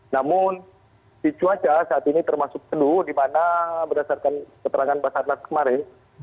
namun si cuaca saat ini termasuk teduh di mana berdasarkan keterangan pak sarlat kemarin